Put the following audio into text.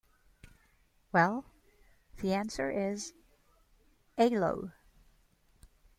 Well, the answers is... A lo.